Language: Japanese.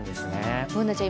Ｂｏｏｎａちゃん